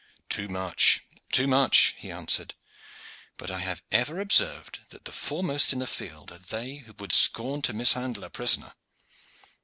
"Too much, too much," he answered. "But I have ever observed that the foremost in the field are they who would scorn to mishandle a prisoner.